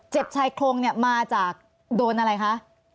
เจ็บชายโครงมาจากโดนอะไรคะ